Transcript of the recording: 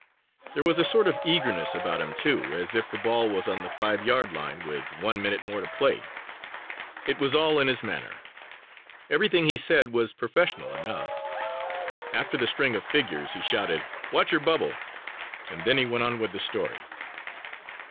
There was a sort of eagerness about him, too, as if the ball was on the five yard line with one minute more to play. It was all in his manner. Everything he said was professional enough. After the string of figures he shouted "watch your bubble" and then he went on with the story.